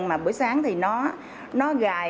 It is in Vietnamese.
mà buổi sáng thì nó gài